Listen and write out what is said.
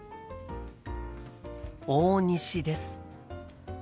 大西です。